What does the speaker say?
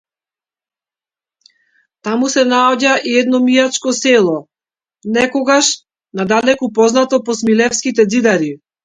Таму се наоѓа и едно мијачко село, некогаш надалеку познато по смилевските ѕидари.